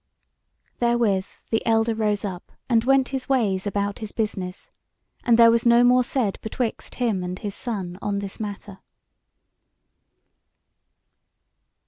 Therewith the elder rose up and went his ways about his business, and there was no more said betwixt him and his son on this matter.